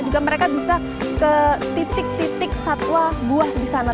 juga mereka bisa ke titik titik satwa buah di sana